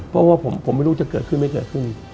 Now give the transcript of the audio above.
เพราะว่าผมไม่รู้จะเกิดขึ้นไม่เกิดขึ้น